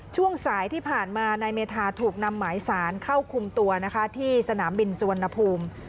ช่วงสายที่ผ่านมานายเมธาถูกนำหมายสารเข้าคุมตัวนะคะที่สนามบินสุวรรณภูมิ